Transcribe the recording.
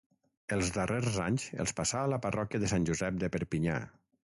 Els darrers anys els passà a la parròquia de Sant Josep de Perpinyà.